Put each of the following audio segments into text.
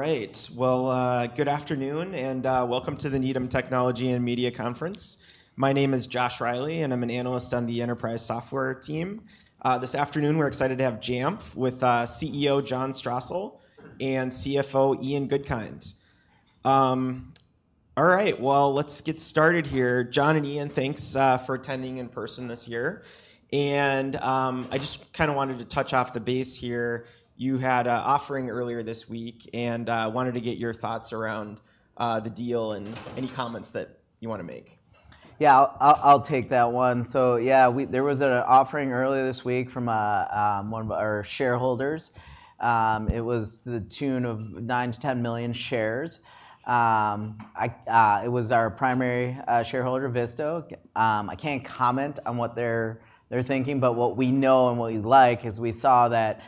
All right. Well, good afternoon, and welcome to the Needham Technology and Media Conference. My name is Josh Reilly, and I'm an analyst on the enterprise software team. This afternoon, we're excited to have Jamf, with CEO John Strosahl and CFO Ian Goodkind. All right, well, let's get started here. John and Ian, thanks for attending in person this year, and I just kinda wanted to touch off the base here. You had a offering earlier this week, and wanted to get your thoughts around the deal, and any comments that you wanna make. Yeah, I'll take that one. So yeah, there was an offering earlier this week from one of our shareholders. It was to the tune of 9-10 million shares. It was our primary shareholder, Vista. I can't comment on what they're thinking, but what we know and what we like is, we saw that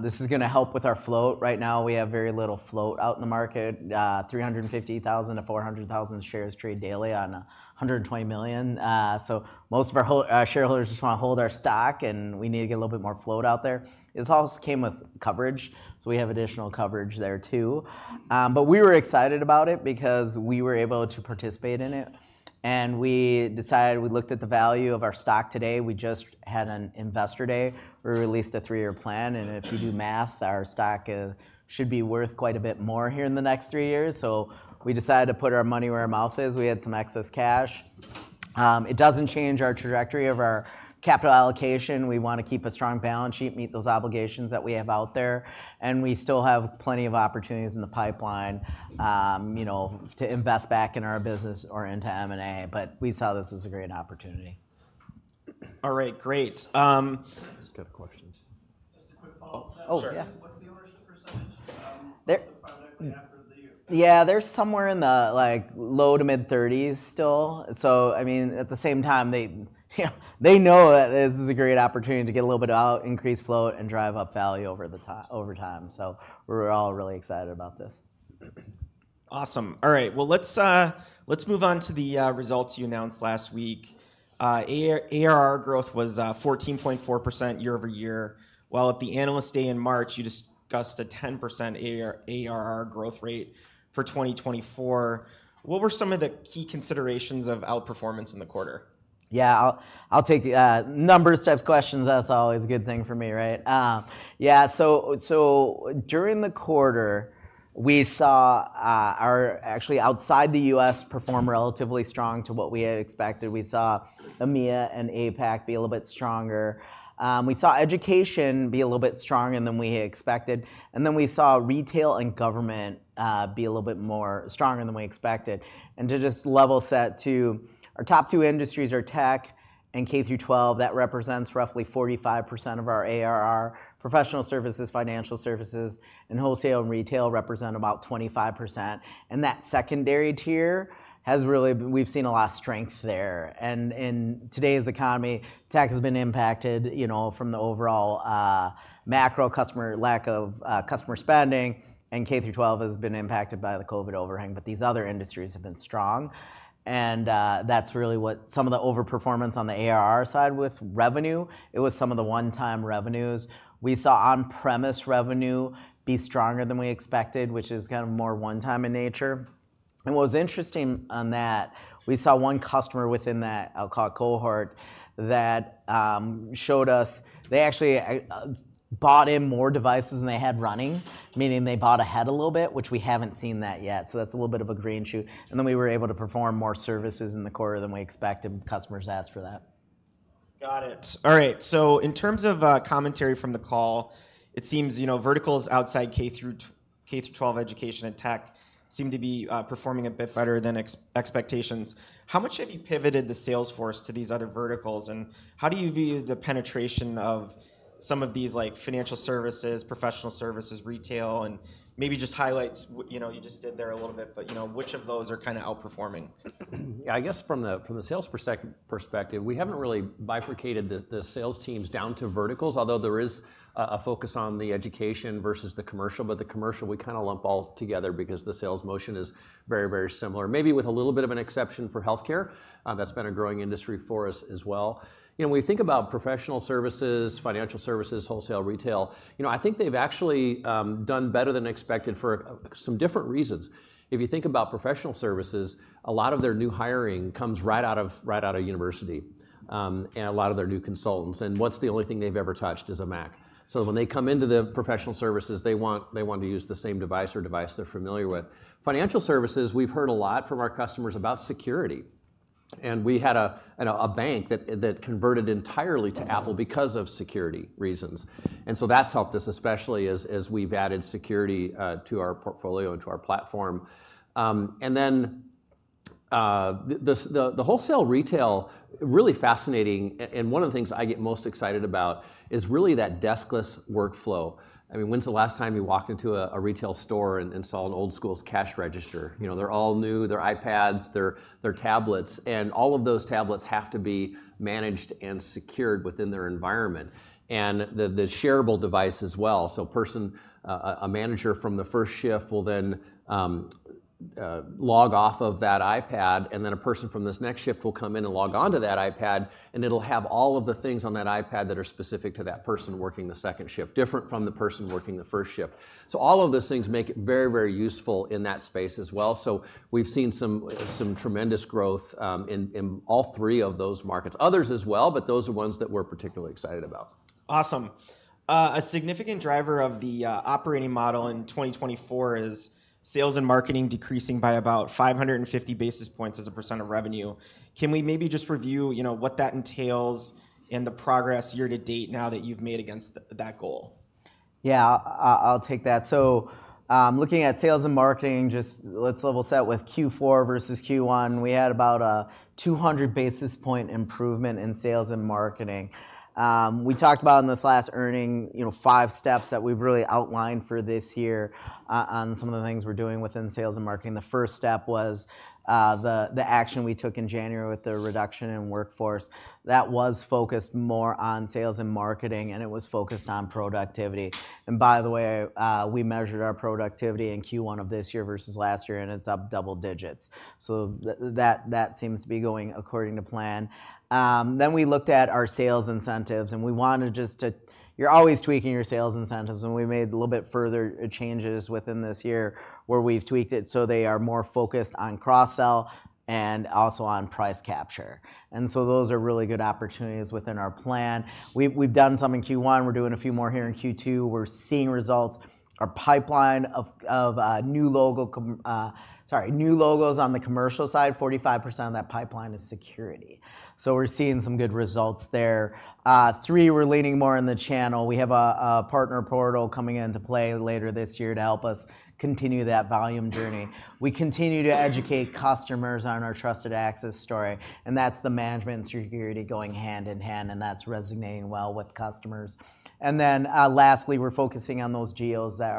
this is gonna help with our float. Right now, we have very little float out in the market. 350,000-400,000 shares trade daily on a 120 million. So most of our shareholders just wanna hold our stock, and we need to get a little bit more float out there. This also came with coverage, so we have additional coverage there, too. But we were excited about it, because we were able to participate in it, and we decided. We looked at the value of our stock today. We just had an Investor Day. We released a three-year plan, and if you do the math, our stock should be worth quite a bit more here in the next three years. So we decided to put our money where our mouth is. We had some excess cash. It doesn't change our trajectory of our capital allocation. We want to keep a strong balance sheet, meet those obligations that we have out there, and we still have plenty of opportunities in the pipeline, you know, to invest back in our business or into M&A, but we saw this as a great opportunity. All right, great. Just a quick follow-up to that. Oh, sure. What's the ownership percentage primarily after the...? Yeah, they're somewhere in the, like, low-to-mid 30s still. So I mean, at the same time, they, you know, they know that this is a great opportunity to get a little bit of increased flow and drive up value over time. So we're all really excited about this. Awesome. All right, well, let's, let's move on to the results you announced last week. AR, ARR growth was fourteen point four percent year-over-year, while at the Analyst Day in March, you discussed a 10% AR- ARR growth rate for 2024. What were some of the key considerations of outperformance in the quarter? Yeah, I'll take the numbers type questions. That's always a good thing for me, right? Yeah, so during the quarter, we saw actually outside the U.S. perform relatively strong to what we had expected. We saw EMEA and APAC be a little bit stronger. We saw education be a little bit stronger than we had expected, and then we saw retail and government be a little bit more stronger than we expected. And to just level set, too, our top two industries are tech and K-12. That represents roughly 45% of our ARR. Professional services, financial services, and wholesale and retail represent about 25%, and that secondary tier has really we've seen a lot of strength there. In today's economy, tech has been impacted, you know, from the overall macro customer lack of customer spending, and K-12 has been impacted by the COVID overhang, but these other industries have been strong. That's really what some of the overperformance on the ARR side with revenue was. It was some of the one-time revenues. We saw on-premise revenue be stronger than we expected, which is kind of more one-time in nature. What was interesting on that, we saw one customer within that I'll call cohort that showed us. They actually bought in more devices than they had running, meaning they bought ahead a little bit, which we haven't seen that yet. So that's a little bit of a green shoot, and then we were able to perform more services in the quarter than we expected, customers asked for that. Got it. All right, so in terms of commentary from the call, it seems, you know, verticals outside K-12 education and tech seem to be performing a bit better than expectations. How much have you pivoted the sales force to these other verticals, and how do you view the penetration of some of these, like, financial services, professional services, retail, and maybe just highlights what, you know, you just did there a little bit, but, you know, which of those are kinda outperforming? I guess from the sales perspective, we haven't really bifurcated the sales teams down to verticals, although there is a focus on the education versus the commercial. But the commercial, we kinda lump all together because the sales motion is very, very similar. Maybe with a little bit of an exception for healthcare, that's been a growing industry for us as well. You know, when we think about professional services, financial services, wholesale, retail, you know, I think they've actually done better than expected for some different reasons. If you think about professional services, a lot of their new hiring comes right out of university, and a lot of their new consultants, and what's the only thing they've ever touched is a Mac. So when they come into the professional services, they want to use the same device or device they're familiar with. Financial services, we've heard a lot from our customers about security, and we had a bank that converted entirely to Apple because of security reasons. And so that's helped us, especially as we've added security to our portfolio and to our platform. And then the wholesale retail, really fascinating, and one of the things I get most excited about is really that desk-less workflow. I mean, when's the last time you walked into a retail store and saw an old-school cash register? You know, they're all new, they're iPads, they're tablets, and all of those tablets have to be managed and secured within their environment, and the shareable device as well. So a manager from the first shift will then log off of that iPad, and then a person from this next shift will come in and log on to that iPad, and it'll have all of the things on that iPad that are specific to that person working the second shift, different from the person working the first shift. So all of those things make it very, very useful in that space as well. So we've seen some tremendous growth in all three of those markets. Others as well, but those are ones that we're particularly excited about. Awesome. A significant driver of the operating model in 2024 is sales and marketing decreasing by about 550 basis points as a % of revenue. Can we maybe just review, you know, what that entails and the progress year to date now that you've made against that goal? Yeah, I'll take that. So, looking at sales and marketing, just let's level set with Q4 versus Q1. We had about a 200 basis points improvement in sales and marketing. We talked about in this last earnings, you know, 5 steps that we've really outlined for this year, on some of the things we're doing within sales and marketing. The first step was the action we took in January with the reduction in workforce. That was focused more on sales and marketing, and it was focused on productivity. And by the way, we measured our productivity in Q1 of this year versus last year, and it's up double digits. So that seems to be going according to plan. Then we looked at our sales incentives, and we wanted just to... You're always tweaking your sales incentives, and we made a little bit further changes within this year, where we've tweaked it so they are more focused on cross-sell and also on price capture. So those are really good opportunities within our plan. We've done some in Q1. We're doing a few more here in Q2. We're seeing results. Our pipeline of new logos on the commercial side, 45% of that pipeline is security. So we're seeing some good results there. Three, we're leaning more on the channel. We have a partner portal coming into play later this year to help us continue that volume journey. We continue to educate customers on our Trusted Access story, and that's the management security going hand in hand, and that's resonating well with customers. And then, lastly, we're focusing on those geos that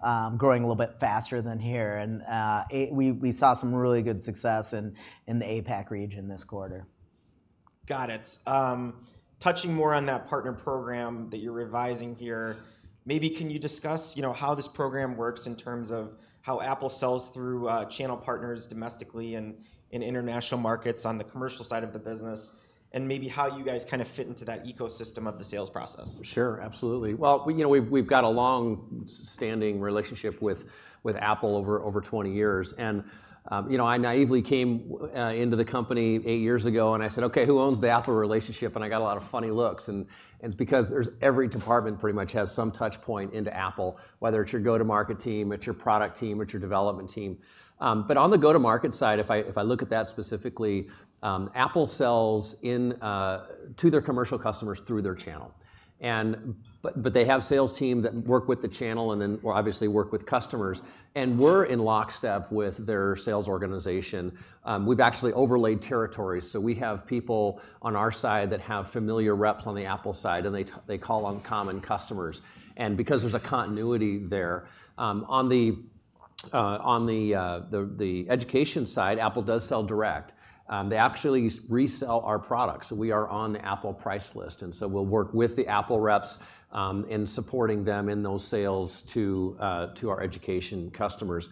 are growing a little bit faster than here. And we saw some really good success in the APAC region this quarter. Got it. Touching more on that partner program that you're revising here, maybe can you discuss, you know, how this program works in terms of how Apple sells through, channel partners domestically and in international markets on the commercial side of the business, and maybe how you guys kind of fit into that ecosystem of the sales process? Sure, absolutely. Well, we, you know, we've got a long-standing relationship with Apple over 20 years. And you know, I naively came into the company 8 years ago, and I said, "Okay, who owns the Apple relationship?" And I got a lot of funny looks, and it's because every department pretty much has some touch point into Apple, whether it's your go-to-market team, it's your product team, or it's your development team. But on the go-to-market side, if I look at that specifically, Apple sells to their commercial customers through their channel. And but they have sales team that work with the channel and then, well, obviously, work with customers, and we're in lockstep with their sales organization. We've actually overlaid territories, so we have people on our side that have familiar reps on the Apple side, and they call on common customers, and because there's a continuity there. On the education side, Apple does sell direct. They actually resell our products. So we are on the Apple price list, and so we'll work with the Apple reps in supporting them in those sales to our education customers.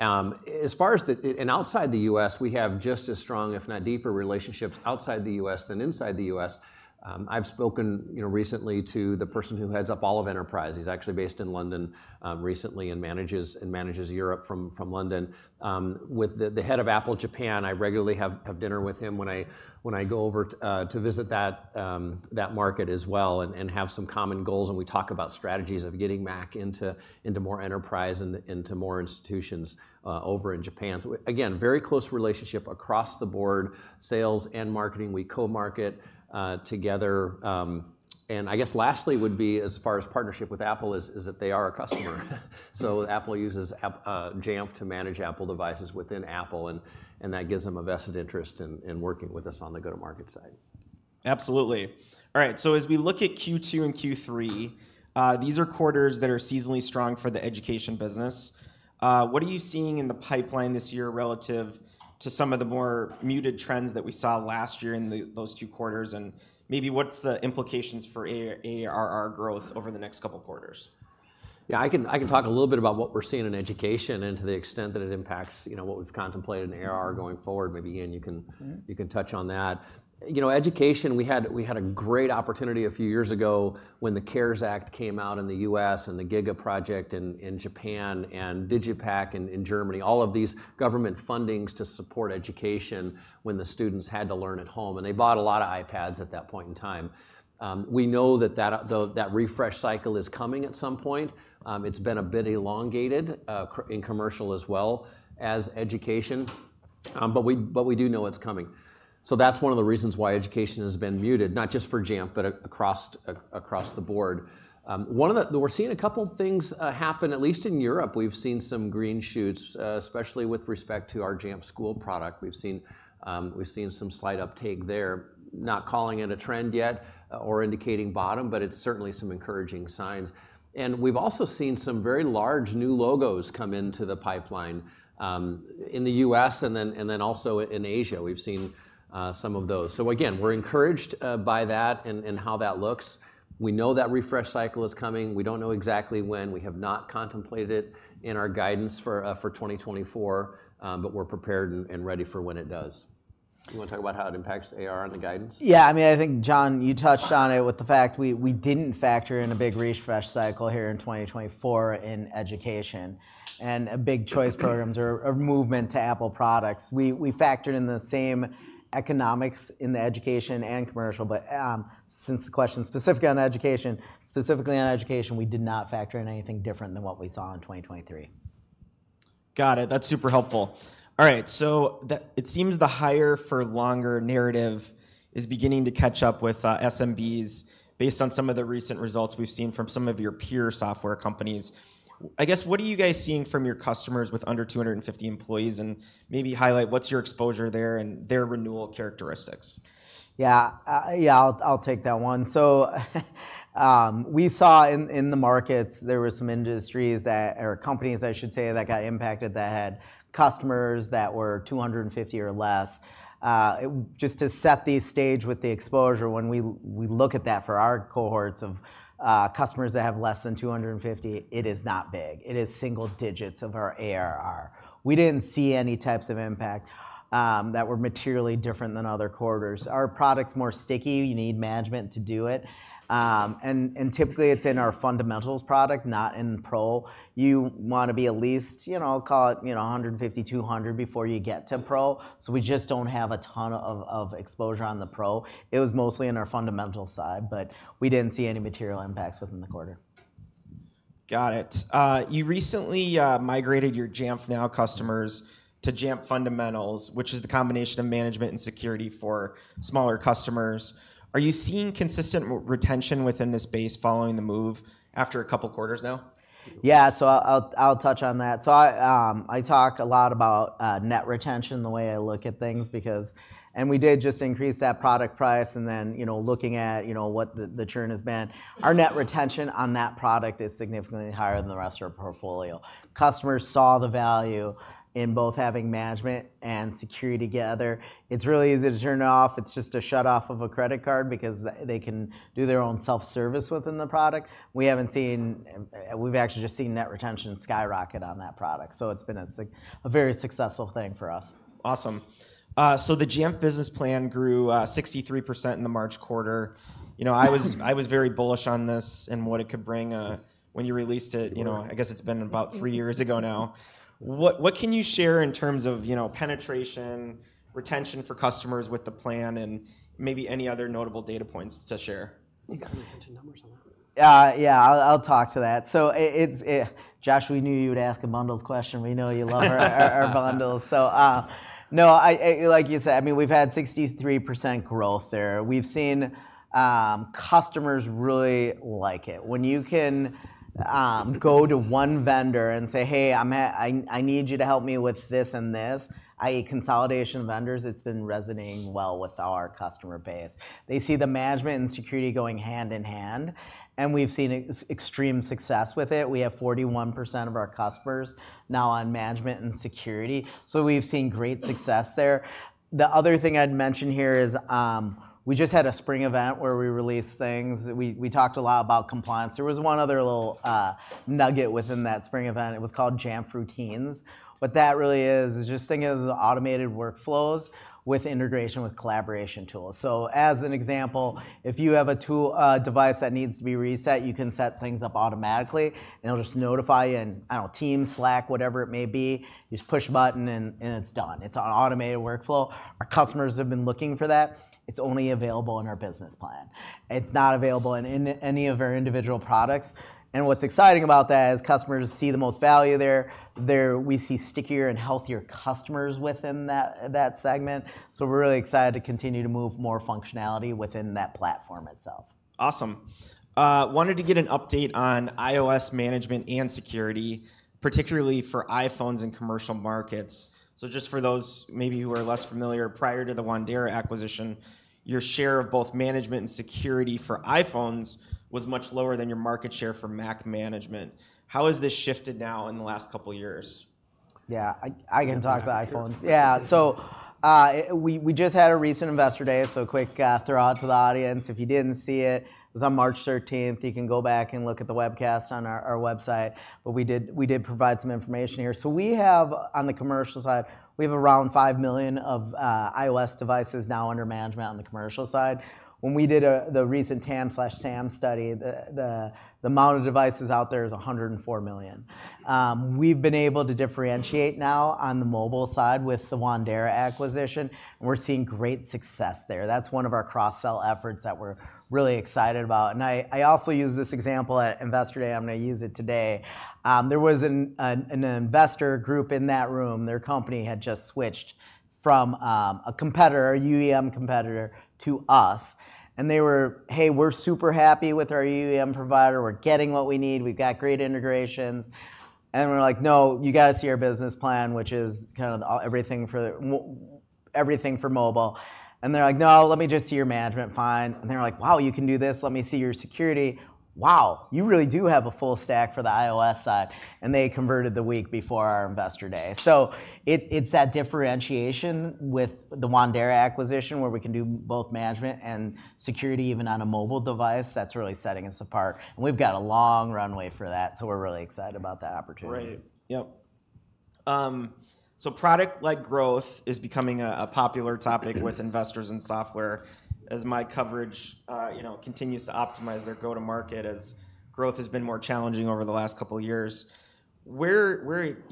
As far as the... And outside the US, we have just as strong, if not deeper, relationships outside the US than inside the US. I've spoken, you know, recently to the person who heads up all of enterprise. He's actually based in London, recently, and manages Europe from London. With the head of Apple Japan, I regularly have dinner with him when I go over to visit that market as well, and have some common goals, and we talk about strategies of getting Mac into more enterprise and into more institutions over in Japan. So again, very close relationship across the board, sales and marketing. We co-market together. And I guess lastly, would be, as far as partnership with Apple is that they are a customer. So Apple uses Jamf to manage Apple devices within Apple, and that gives them a vested interest in working with us on the go-to-market side. Absolutely. All right, so as we look at Q2 and Q3, these are quarters that are seasonally strong for the education business. What are you seeing in the pipeline this year relative to some of the more muted trends that we saw last year in the, those two quarters? And maybe what's the implications for AR- ARR growth over the next couple quarters? Yeah, I can, I can talk a little bit about what we're seeing in education and to the extent that it impacts, you know, what we've contemplated in ARR going forward. Maybe, Ian, you can you can touch on that. You know, education, we had a great opportunity a few years ago when the CARES Act came out in the U.S., and the GIGA project in Japan, and DigitalPakt in Germany, all of these government fundings to support education when the students had to learn at home, and they bought a lot of iPads at that point in time. We know that the refresh cycle is coming at some point. It's been a bit elongated in commercial as well as education, but we do know it's coming. So that's one of the reasons why education has been muted, not just for Jamf, but across the board. We're seeing a couple things happen, at least in Europe. We've seen some green shoots, especially with respect to our Jamf School product. We've seen, we've seen some slight uptake there. Not calling it a trend yet or indicating bottom, but it's certainly some encouraging signs. And we've also seen some very large new logos come into the pipeline, in the U.S. and then, and then also in Asia, we've seen, some of those. So again, we're encouraged, by that and, and how that looks. We know that refresh cycle is coming. We don't know exactly when. We have not contemplated it in our guidance for, for 2024, but we're prepared and, and ready for when it does. You want to talk about how it impacts AR and the guidance? Yeah, I mean, I think, John, you touched on it with the fact we, we didn't factor in a big refresh cycle here in 2024 in education, and a big choice programs or, or movement to Apple products. We, we factored in the same economics in the education and commercial, but since the question is specifically on education, specifically on education, we did not factor in anything different than what we saw in 2023. Got it. That's super helpful. All right. So it seems the higher-for-longer narrative is beginning to catch up with SMBs, based on some of the recent results we've seen from some of your peer software companies. I guess, what are you guys seeing from your customers with under 250 employees, and maybe highlight what's your exposure there and their renewal characteristics? Yeah, I'll take that one. So we saw in the markets, there were some industries that, or companies, I should say, that got impacted, that had customers that were 250 or less. Just to set the stage with the exposure, when we look at that for our cohorts of customers that have less than 250, it is not big. It is single digits of our ARR. We didn't see any types of impact that were materially different than other quarters. Our product's more sticky. You need management to do it. And typically, it's in our Fundamentals product, not in Pro. You want to be at least, you know, call it, you know, 150, 200 before you get to Pro. So we just don't have a ton of exposure on the Pro. It was mostly in our Fundamentals side, but we didn't see any material impacts within the quarter. Got it. You recently migrated your Jamf Now customers to Jamf Fundamentals, which is the combination of management and security for smaller customers. Are you seeing consistent retention within this base following the move after a couple quarters now? Yeah, so I'll, I'll touch on that. So I, I talk a lot about net retention, the way I look at things, because... And we did just increase that product price, and then, you know, looking at, you know, what the churn has been. Our net retention on that product is significantly higher than the rest of our portfolio. Customers saw the value in both having management and security together. It's really easy to turn off. It's just a shut off of a credit card because they can do their own self-service within the product. We haven't seen, we've actually just seen net retention skyrocket on that product, so it's been a very successful thing for us. Awesome. So the Jamf Business Plan grew 63% in the March quarter. You know, I was very bullish on this and what it could bring, when you released it, you know. I guess it's been about three years ago now. What can you share in terms of, you know, penetration, retention for customers with the plan, and maybe any other notable data points to share? You got the retention numbers on that one. Yeah, I'll talk to that. So it's Josh, we knew you would ask a bundles question. We know you love our bundles. So no, like you said, I mean, we've had 63% growth there. We've seen customers really like it. When you can go to one vendor and say: Hey, I'm here. I need you to help me with this and this, i.e., consolidation vendors, it's been resonating well with our customer base. They see the management and security going hand in hand, and we've seen extreme success with it. We have 41% of our customers now on management and security. So we've seen great success there. The other thing I'd mention here is we just had a spring event where we released things. We talked a lot about compliance. There was one other little nugget within that spring event. It was called Jamf Routines. What that really is, it's just thing as automated workflows with integration, with collaboration tools. So as an example, if you have a tool, device that needs to be reset, you can set things up automatically, and it'll just notify you in, I don't know, Teams, Slack, whatever it may be. You just push a button and it's done. It's an automated workflow. Our customers have been looking for that. It's only available in our Business Plan. It's not available in any of our individual products, and what's exciting about that is customers see the most value there. There, we see stickier and healthier customers within that segment. So we're really excited to continue to move more functionality within that platform itself. Awesome. Wanted to get an update on iOS management and security, particularly for iPhones in commercial markets. So just for those maybe who are less familiar, prior to the Wandera acquisition, your share of both management and security for iPhones was much lower than your market share for Mac management. How has this shifted now in the last couple of years? Yeah, I, I can talk about iPhones. Yeah, so, we just had a recent Investor Day, so quick shout out to the audience. If you didn't see it, it was on March thirteenth. You can go back and look at the webcast on our website, but we did provide some information here. So we have, on the commercial side, around 5 million iOS devices now under management on the commercial side. When we did the recent TAM/SAM study, the amount of devices out there is 104 million. We've been able to differentiate now on the mobile side with the Wandera acquisition, and we're seeing great success there. That's one of our cross-sell efforts that we're really excited about, and I also used this example at Investor Day. I'm gonna use it today. There was an investor group in that room. Their company had just switched from a competitor, a UEM competitor, to us, and they were: "Hey, we're super happy with our UEM provider. We're getting what we need. We've got great integrations." And we're like: "No, you gotta see our business plan," which is kind of everything for mobile. And they're like: "No, let me just see your management." "Fine." And they're like: "Wow, you can do this? Let me see your security. Wow, you really do have a full stack for the iOS side." And they converted the week before our Investor Day. It's that differentiation with the Wandera acquisition, where we can do both management and security, even on a mobile device, that's really setting us apart, and we've got a long runway for that, so we're really excited about that opportunity. Great. Yep. So product-led growth is becoming a popular topic with investors in software as my coverage, you know, continues to optimize their go-to-market, as growth has been more challenging over the last couple years. Where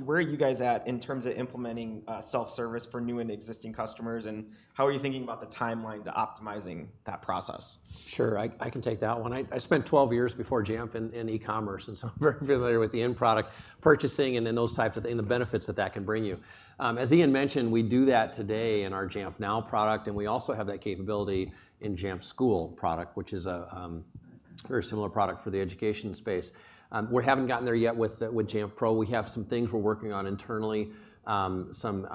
are you guys at in terms of implementing self-service for new and existing customers, and how are you thinking about the timeline to optimizing that process? Sure, I can take that one. I spent 12 years before Jamf in e-commerce, and so I'm very familiar with the end product purchasing and then those types of, and the benefits that that can bring you. As Ian mentioned, we do that today in our Jamf Now product, and we also have that capability in Jamf School product, which is a very similar product for the education space. We haven't gotten there yet with Jamf Pro. We have some things we're working on internally, some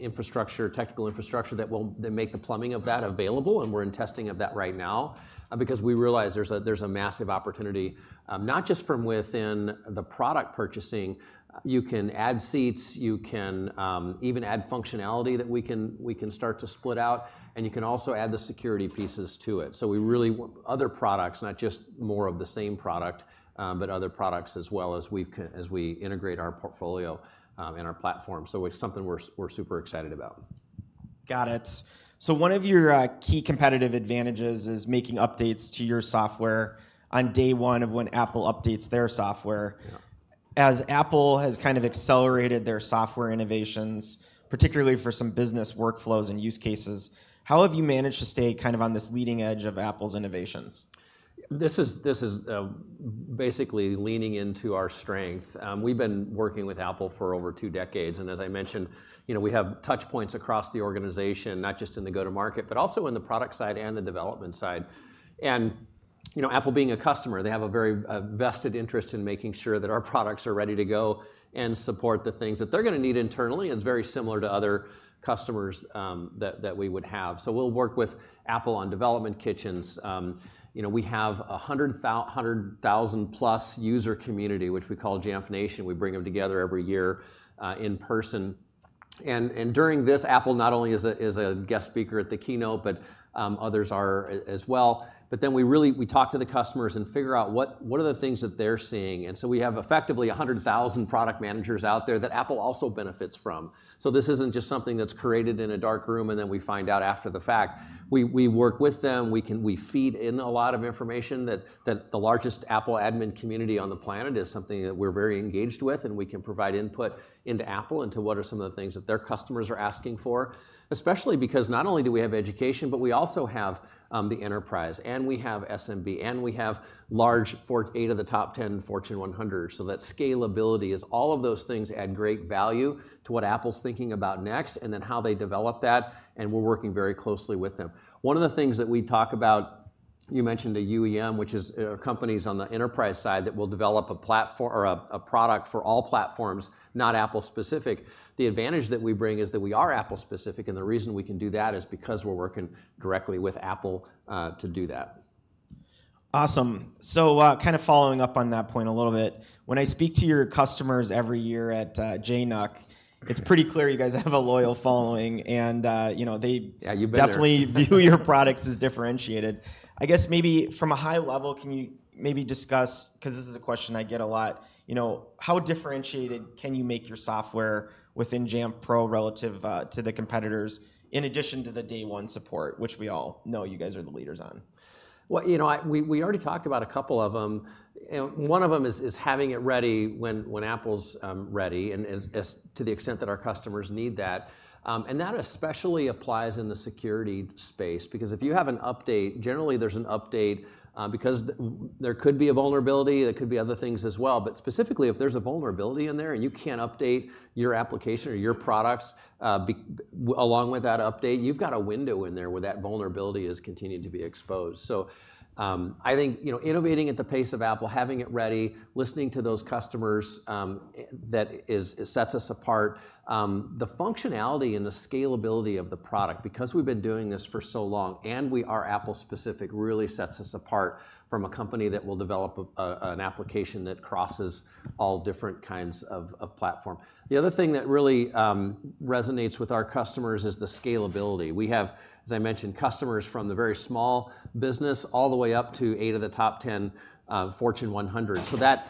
infrastructure, technical infrastructure that will make the plumbing of that available, and we're in testing of that right now. Because we realize there's a massive opportunity, not just from within the product purchasing. You can add seats, you can even add functionality that we can start to split out, and you can also add the security pieces to it. So we really want other products, not just more of the same product, but other products as well as we integrate our portfolio and our platform, so it's something we're super excited about. Got it. So one of your key competitive advantages is making updates to your software on day one of when Apple updates their software. As Apple has kind of accelerated their software innovations, particularly for some business workflows and use cases, how have you managed to stay kind of on this leading edge of Apple's innovations? This is basically leaning into our strength. We've been working with Apple for over two decades, and as I mentioned, you know, we have touch points across the organization, not just in the go-to-market, but also in the product side and the development side. You know, Apple being a customer, they have a very vested interest in making sure that our products are ready to go and support the things that they're gonna need internally, and it's very similar to other customers that we would have. So we'll work with Apple on development kitchens. You know, we have a 100,000-plus user community, which we call Jamf Nation. We bring them together every year in person, and during this, Apple not only is a guest speaker at the keynote, but others are as well. But then we really talk to the customers and figure out what are the things that they're seeing, and so we have effectively 100,000 product managers out there that Apple also benefits from. So this isn't just something that's created in a dark room, and then we find out after the fact. We work with them, we can... We feed in a lot of information that the largest Apple admin community on the planet is something that we're very engaged with, and we can provide input into Apple into what are some of the things that their customers are asking for, especially because not only do we have education, but we also have the enterprise, and we have SMB, and we have 48 of the top 10 Fortune 100. So that scalability is all of those things add great value to what Apple's thinking about next, and then how they develop that, and we're working very closely with them. One of the things that we talk about, you mentioned the UEM, which is companies on the enterprise side that will develop a platform or a product for all platforms, not Apple specific. The advantage that we bring is that we are Apple specific, and the reason we can do that is because we're working directly with Apple, to do that. Awesome. So, kind of following up on that point a little bit, when I speak to your customers every year at JNUC, it's pretty clear you guys have a loyal following, and, you know, they definitely view your products as differentiated. I guess maybe from a high level, can you maybe discuss, 'cause this is a question I get a lot, you know, how differentiated can you make your software within Jamf Pro relative to the competitors, in addition to the day one support, which we all know you guys are the leaders on? Well, you know, we already talked about a couple of them, and one of them is having it ready when Apple's ready, and as to the extent that our customers need that. And that especially applies in the security space, because if you have an update, generally there's an update because there could be a vulnerability, there could be other things as well. But specifically, if there's a vulnerability in there, and you can't update your application or your products along with that update, you've got a window in there where that vulnerability is continuing to be exposed. So, I think, you know, innovating at the pace of Apple, having it ready, listening to those customers, sets us apart. The functionality and the scalability of the product, because we've been doing this for so long, and we are Apple specific, really sets us apart from a company that will develop an application that crosses all different kinds of platform. The other thing that really resonates with our customers is the scalability. We have, as I mentioned, customers from the very small business all the way up to 8 of the top 10 Fortune 100. So that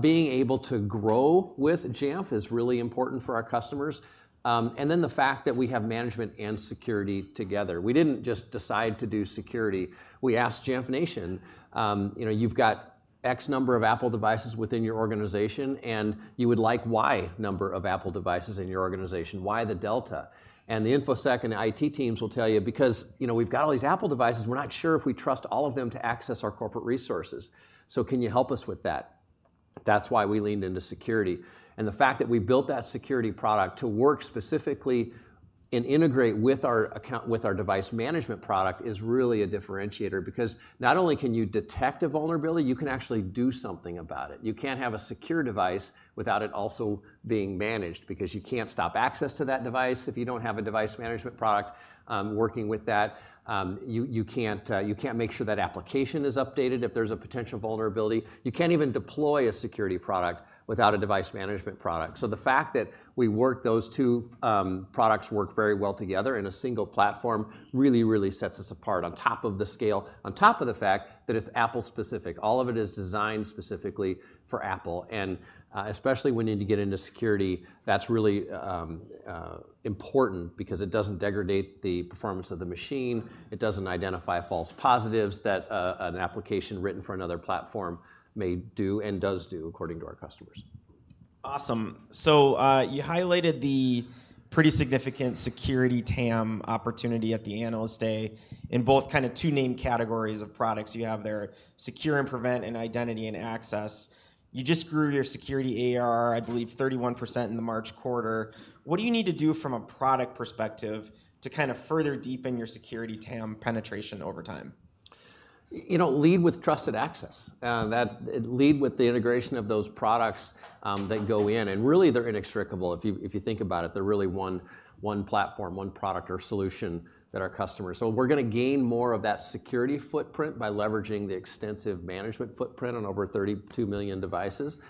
being able to grow with Jamf is really important for our customers. And then the fact that we have management and security together. We didn't just decide to do security. We asked Jamf Nation, you know, you've got X number of Apple devices within your organization, and you would like Y number of Apple devices in your organization. Y, the delta. And the InfoSec and IT teams will tell you, "Because, you know, we've got all these Apple devices, we're not sure if we trust all of them to access our corporate resources, so can you help us with that?" That's why we leaned into security, and the fact that we built that security product to work specifically and integrate with our device management product, is really a differentiator. Because not only can you detect a vulnerability, you can actually do something about it. You can't have a secure device without it also being managed, because you can't stop access to that device if you don't have a device management product working with that. You can't make sure that application is updated if there's a potential vulnerability. You can't even deploy a security product without a device management product. The fact that we work those two products work very well together in a single platform really really sets us apart on top of the scale, on top of the fact that it's Apple specific. All of it is designed specifically for Apple, and especially when you need to get into security, that's really important because it doesn't degrade the performance of the machine. It doesn't identify false positives that an application written for another platform may do and does do, according to our customers. Awesome. So, you highlighted the pretty significant security TAM opportunity at the Analyst Day in both kind of two named categories of products you have there, secure and prevent, and identity and access. You just grew your security ARR, I believe, 31% in the March quarter. What do you need to do from a product perspective to kind of further deepen your security TAM penetration over time? You know, lead with Trusted Access. That, lead with the integration of those products, that go in, and really, they're inextricable. If you, if you think about it, they're really one, one platform, one product or solution that our customers... So we're gonna gain more of that security footprint by leveraging the extensive management footprint on over 32 million devices,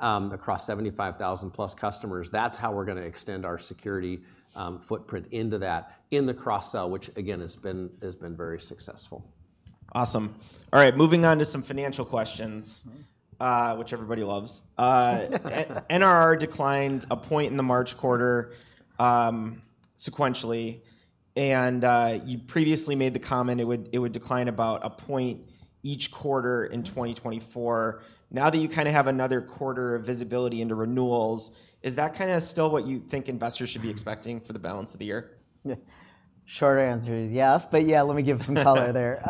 across 75,000+ customers. That's how we're gonna extend our security footprint into that in the cross-sell, which again, has been, has been very successful. Awesome. All right, moving on to some financial questions which everybody loves. NRR declined a point in the March quarter, sequentially, and you previously made the comment it would decline about a point each quarter in 2024. Now that you kind of have another quarter of visibility into renewals, is that kind of still what you think investors should be expecting for the balance of the year? Yeah. Short answer is yes, but, yeah, let me give some color there.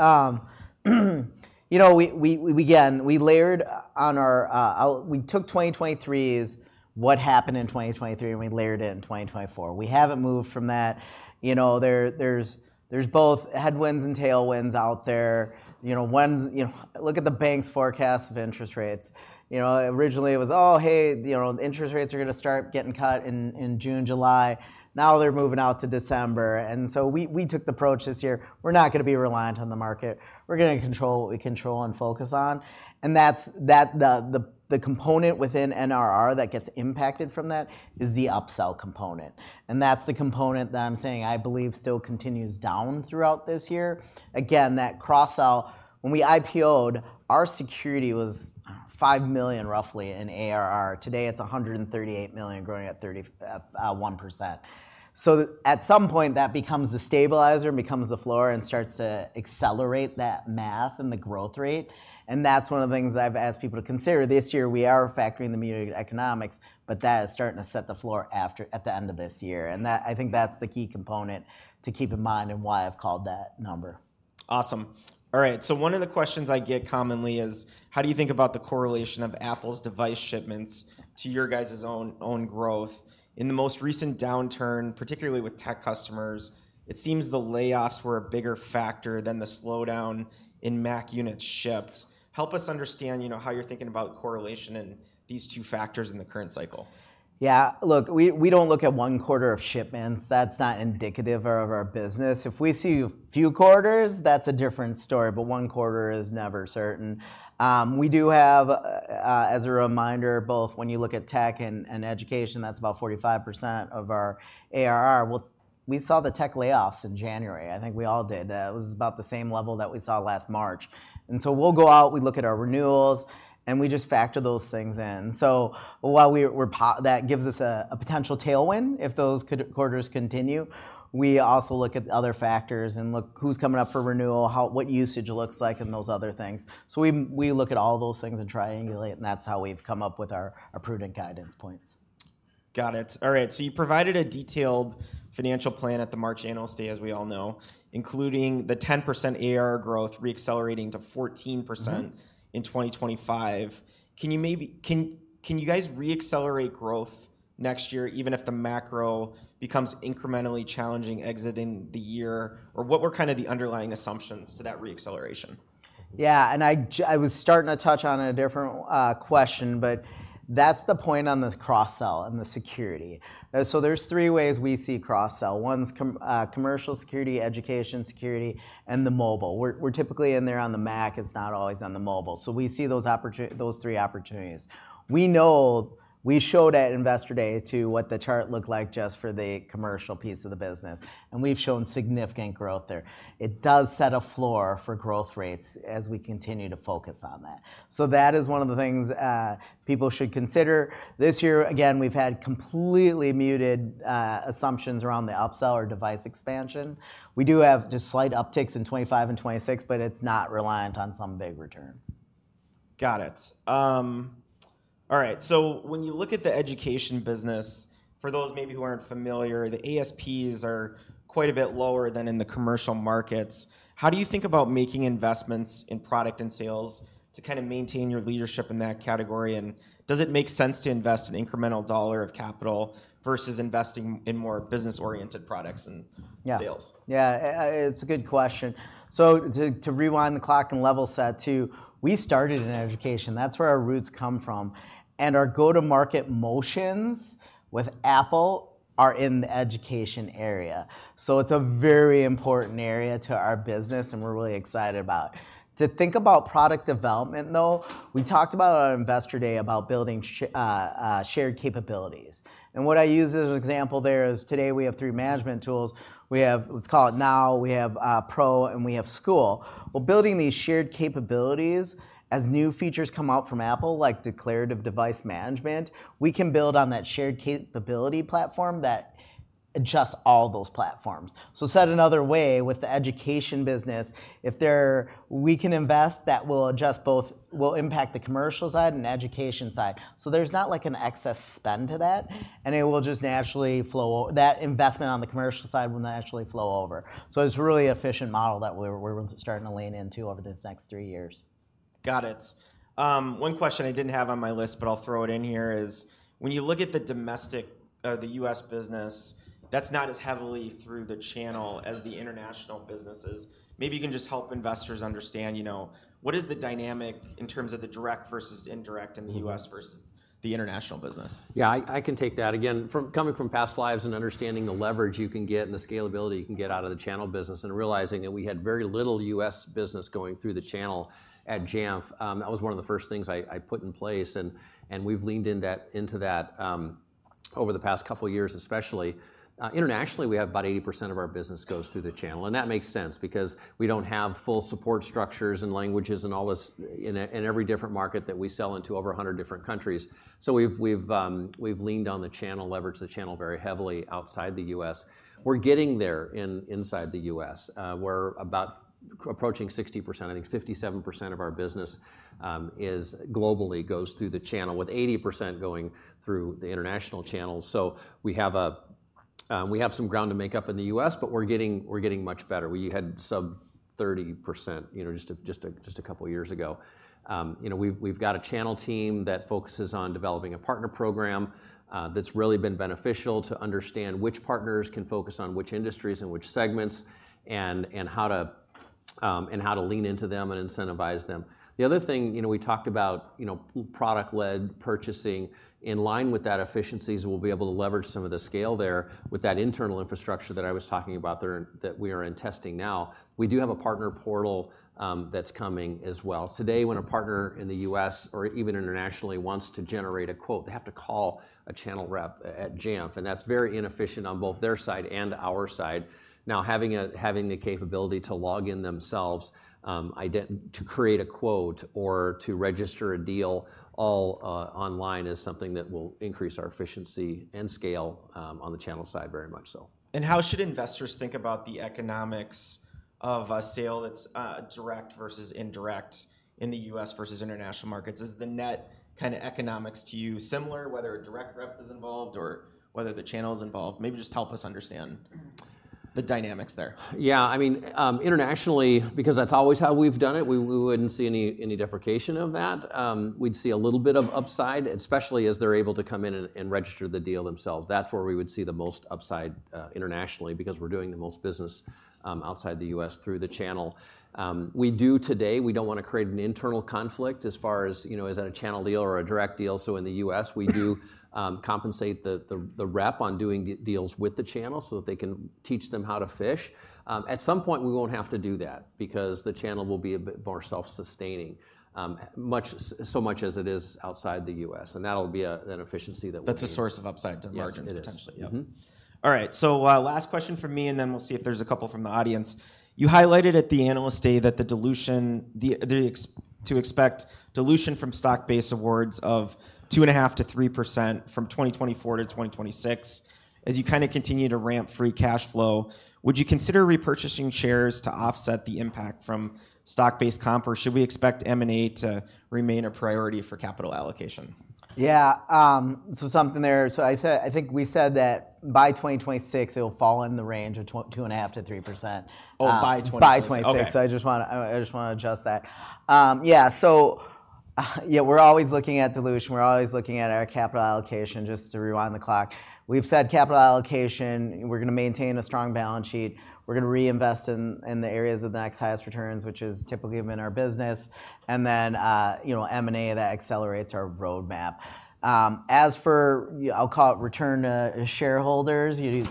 You know, we again layered on our outlook. We took 2023's what happened in 2023, and we layered it in 2024. We haven't moved from that. You know, there's both headwinds and tailwinds out there. You know, look at the banks' forecast of interest rates. You know, originally, it was, "Oh, hey, you know, interest rates are gonna start getting cut in June, July." Now, they're moving out to December, and so we took the approach this year, we're not gonna be reliant on the market. We're gonna control what we control and focus on, and that's the component within NRR that gets impacted from that is the upsell component, and that's the component that I'm saying I believe still continues down throughout this year. Again, that cross-sell, when we IPO'd, our security was $5 million, roughly, in ARR. Today, it's $138 million, growing at 31%. So at some point, that becomes the stabilizer, becomes the floor, and starts to accelerate that math and the growth rate, and that's one of the things I've asked people to consider. This year, we are factoring the muted economics, but that is starting to set the floor at the end of this year, and that I think that's the key component to keep in mind and why I've called that number. Awesome. All right, so one of the questions I get commonly is, how do you think about the correlation of Apple's device shipments to your guys's own growth? In the most recent downturn, particularly with tech customers, it seems the layoffs were a bigger factor than the slowdown in Mac unit ships. Help us understand, you know, how you're thinking about correlation and these two factors in the current cycle. Yeah, look, we don't look at one quarter of shipments. That's not indicative of our business. If we see a few quarters, that's a different story, but one quarter is never certain. We do have, as a reminder, both when you look at tech and education, that's about 45% of our ARR. Well, we saw the tech layoffs in January. I think we all did. It was about the same level that we saw last March, and so we'll go out, we look at our renewals, and we just factor those things in. So while we're poised, that gives us a potential tailwind if those consecutive quarters continue, we also look at other factors and look who's coming up for renewal, how what usage looks like, and those other things. We look at all those things and triangulate, and that's how we've come up with our prudent guidance points. Got it. All right, so you provided a detailed financial plan at the March Analyst Day, as we all know, including the 10% ARR growth re-accelerating to 14% in 2025. Can you maybe, can you guys re-accelerate growth next year, even if the macro becomes incrementally challenging exiting the year? Or what were kind of the underlying assumptions to that re-acceleration? Yeah, and I was starting to touch on it in a different question, but that's the point on the cross-sell and the security. So there's three ways we see cross-sell. One's commercial security, education security, and the mobile. We're, we're typically in there on the Mac, it's not always on the mobile. So we see those three opportunities. We know, we showed at Investor Day, too, what the chart looked like just for the commercial piece of the business, and we've shown significant growth there. It does set a floor for growth rates as we continue to focus on that. So that is one of the things people should consider. This year, again, we've had completely muted assumptions around the upsell or device expansion. We do have just slight upticks in 2025 and 2026, but it's not reliant on some big return. Got it. All right, so when you look at the education business, for those maybe who aren't familiar, the ASPs are quite a bit lower than in the commercial markets. How do you think about making investments in product and sales to kind of maintain your leadership in that category, and does it make sense to invest an incremental dollar of capital versus investing in more business-oriented products and sales? Yeah, it's a good question. So to rewind the clock and level set, too, we started in education. That's where our roots come from, and our go-to-market motions with Apple are in the education area. So it's a very important area to our business, and we're really excited about it. To think about product development, though, we talked about it on Investor Day, about building shared capabilities, and what I use as an example there is, today, we have three management tools. We have, let's call it Now, we have Pro, and we have School. Well, building these shared capabilities, as new features come out from Apple, like Declarative Device Management, we can build on that shared capability platform that can adjust all those platforms. So said another way, with the education business, if there we can invest, that will adjust both, will impact the commercial side and education side. So there's not like an excess spend to that, and it will just naturally flow that investment on the commercial side will naturally flow over. So it's a really efficient model that we're starting to lean into over this next three years. Got it. One question I didn't have on my list, but I'll throw it in here, is: when you look at the domestic, the U.S. business, that's not as heavily through the channel as the international businesses. Maybe you can just help investors understand, you know, what is the dynamic in terms of the direct versus indirect in the U.S. versus the international business? Yeah, I can take that. Again, from coming from past lives and understanding the leverage you can get and the scalability you can get out of the channel business, and realizing that we had very little U.S. business going through the channel at Jamf, that was one of the first things I put in place, and we've leaned into that over the past couple of years, especially. Internationally, we have about 80% of our business goes through the channel, and that makes sense because we don't have full support structures and languages and all this in every different market that we sell into, over 100 different countries. So we've leaned on the channel, leveraged the channel very heavily outside the U.S. We're getting there inside the U.S. We're about approaching 60%. I think 57% of our business is globally goes through the channel, with 80% going through the international channels. So we have a, we have some ground to make up in the U.S., but we're getting, we're getting much better. We had sub 30%, you know, just a couple of years ago. You know, we've, we've got a channel team that focuses on developing a partner program, that's really been beneficial to understand which partners can focus on which industries and which segments, and, and how to, and how to lean into them and incentivize them. The other thing, you know, we talked about, you know, product-led purchasing. In line with that efficiencies, we'll be able to leverage some of the scale there with that internal infrastructure that I was talking about there, that we are in testing now. We do have a partner portal, that's coming as well. Today, when a partner in the U.S. or even internationally wants to generate a quote, they have to call a channel rep at Jamf, and that's very inefficient on both their side and our side. Now, having the capability to log in themselves, to create a quote or to register a deal all online, is something that will increase our efficiency and scale, on the channel side very much so. How should investors think about the economics of a sale that's direct versus indirect in the US versus international markets? Is the net kinda economics to you similar, whether a direct rep is involved or whether the channel is involved? Maybe just help us understand the dynamics there. Yeah, I mean, internationally, because that's always how we've done it, we wouldn't see any deprecation of that. We'd see a little bit of upside, especially as they're able to come in and register the deal themselves. That's where we would see the most upside, internationally, because we're doing the most business outside the U.S. through the channel. We do today, we don't wanna create an internal conflict as far as, you know, is that a channel deal or a direct deal? So in the U.S., we do compensate the rep on doing deals with the channel so that they can teach them how to fish. At some point, we won't have to do that because the channel will be a bit more self-sustaining, much as it is outside the U.S., and that'll be an efficiency that we- That's a source of upside to margins, potentially. Yes, it is. All right, so, last question from me, and then we'll see if there's a couple from the audience. You highlighted at the Analyst Day that the expected dilution from stock-based awards of 2.5%-3% from 2024 to 2026. As you kinda continue to ramp free cash flow, would you consider repurchasing shares to offset the impact from stock-based comp, or should we expect M&A to remain a priority for capital allocation? Yeah, so something there. So I said, I think we said that by 2026, it'll fall in the range of 2.5%-3%. Oh, by 2026. By 2026. Okay. I just wanna adjust that. Yeah, so, yeah, we're always looking at dilution, we're always looking at our capital allocation, just to rewind the clock. We've said capital allocation, we're gonna maintain a strong balance sheet, we're gonna reinvest in the areas of the next highest returns, which is typically been our business, and then, you know, M&A that accelerates our roadmap. As for, I'll call it return to shareholders, you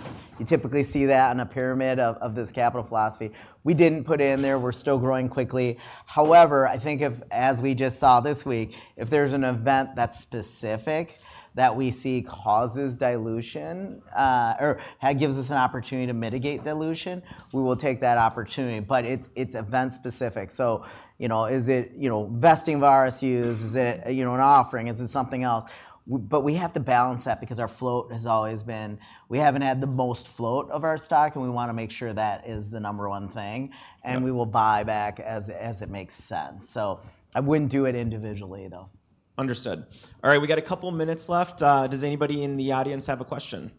typically see that in a pyramid of this capital philosophy. We didn't put in there. We're still growing quickly. However, I think if, as we just saw this week, if there's an event that's specific that we see causes dilution, or that gives us an opportunity to mitigate dilution, we will take that opportunity, but it's event-specific. So, you know, is it, you know, vesting of RSUs? Is it, you know, an offering? Is it something else? But we have to balance that because our float has always been... We haven't had the most float of our stock, and we wanna make sure that is the number one thing. We will buy back as it makes sense. So I wouldn't do it individually, though. Understood. All right, we got a couple of minutes left. Does anybody in the audience have a question?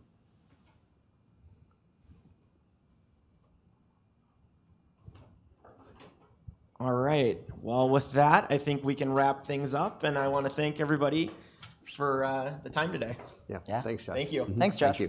All right. Well, with that, I think we can wrap things up, and I wanna thank everybody for the time today. Thanks, Josh.